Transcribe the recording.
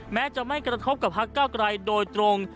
แม้จะไม่กระทบกับพักเก้าไกรโดยตรง